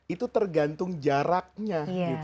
itu tergantung jaraknya